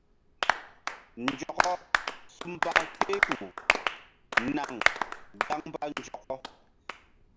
Nzɔkɔ su mba kpehkpuh naŋ gaŋ mba nzɔkɔ.